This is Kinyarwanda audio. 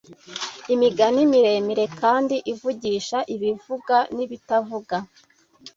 Imigani miremire kandi ivugisha ibivuga n’ibitavuga